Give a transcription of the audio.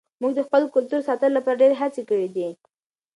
موږ د خپل کلتور ساتلو لپاره ډېرې هڅې کړې دي.